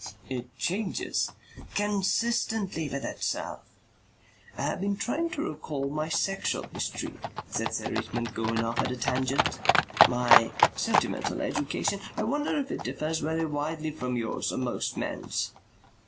"It changes." "Consistently with itself." "I have been trying to recall my sexual history," said Sir Richmond, going off at a tangent. "My sentimental education. I wonder if it differs very widely from yours or most men's."